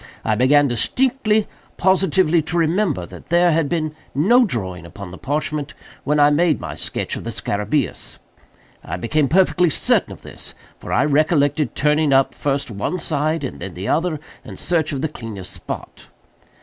I began distinctly, positively, to remember that there had been no drawing upon the parchment when I made my sketch of the scarabæus. I became perfectly certain of this; for I recollected turning up first one side and then the other, in search of the cleanest spot.